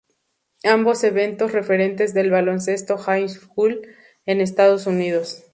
Ambos eventos, referentes del baloncesto High School en Estados Unidos.